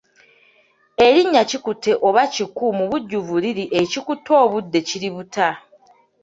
Erinnya Kikutte oba Kiku mu bujjuvu liri Ekikutte obudde kiributa.